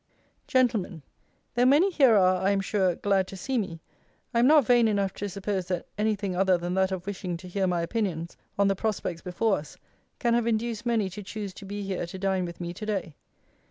_ GENTLEMEN, Though many here are, I am sure, glad to see me, I am not vain enough to suppose that anything other than that of wishing to hear my opinions on the prospects before us can have induced many to choose to be here to dine with me to day.